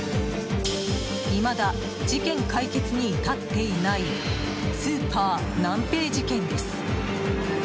いまだ事件解決に至っていないスーパーナンペイ事件です。